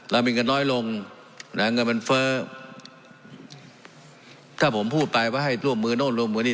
เรามีเงินน้อยลงนะเงินมันเฟ้อถ้าผมพูดไปว่าให้ร่วมมือโน่นร่วมมือนี่